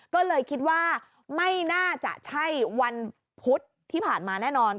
ก็เลยคิดว่าไม่น่าจะใช่วันพุธที่ผ่านมาแน่นอน